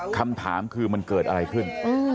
คำถามคือมันเกิดอะไรขึ้น